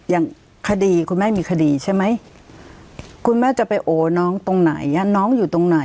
อย่างคดีคุณแม่มีคดีใช่ไหมคุณแม่จะไปโอ้น้องตรงไหนอ่ะ